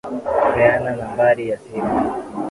Peana nambari ya simu.